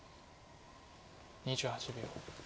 ２８秒。